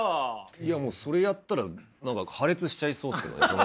いやもうそれやったら何か破裂しちゃいそうですけどね。